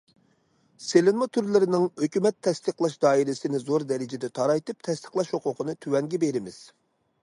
سېلىنما تۈرلىرىنىڭ ھۆكۈمەت تەستىقلاش دائىرىسىنى زور دەرىجىدە تارايتىپ، تەستىقلاش ھوقۇقىنى تۆۋەنگە بېرىمىز.